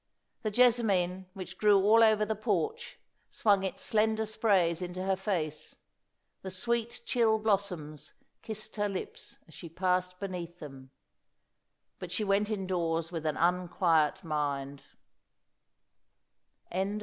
The jessamine, which grew all over the porch, swung its slender sprays into her face. The sweet, chill blossoms kissed her lips as she passed beneath them; but she went indoors with an unquiet mind.